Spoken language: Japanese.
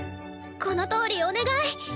このとおりお願い！